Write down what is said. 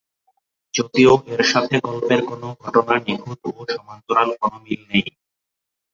যদিও এর সাথে গল্পের কোন ঘটনার নিখুঁত ও সমান্তরাল কোন মিল নেই।